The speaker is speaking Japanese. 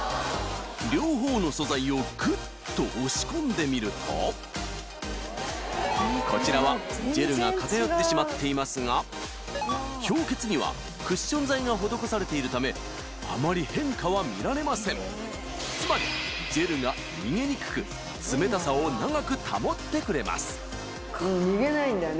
両方の素材をグッと押し込んでみるとこちらはジェルが片寄ってしまっていますが氷結にはクッション材が施されているためあまり変化は見られませんつまりジェルが逃げにくく冷たさを長く保ってくれます逃げないんだね